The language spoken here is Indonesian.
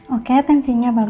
oke tensinya bagus